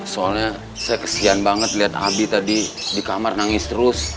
soalnya saya kesian banget lihat abi tadi di kamar nangis terus